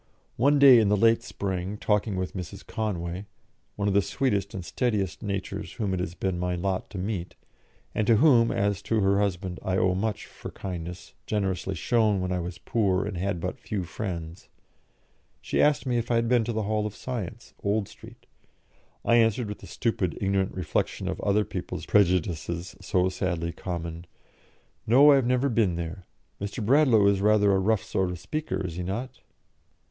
One day in the late spring, talking with Mrs. Conway one of the sweetest and steadiest natures whom it has been my lot to meet, and to whom, as to her husband, I owe much for kindness generously shown when I was poor and had but few friends she asked me if I had been to the Hall of Science, Old Street. I answered, with the stupid, ignorant reflection of other people's prejudices so sadly common, "No, I have never been there. Mr. Bradlaugh is rather a rough sort of speaker, is he not?"